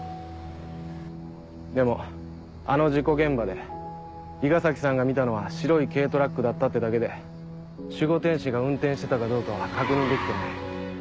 でもあの事故現場で伊賀崎さんが見たのは白い軽トラックだったってだけで守護天使が運転してたかどうかは確認できてない。